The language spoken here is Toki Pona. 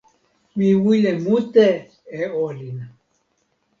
mi wile mute e olin.